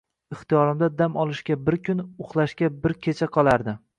Ixtiyorimda dam olishga bir kun, uxlashga bir kecha qolardi...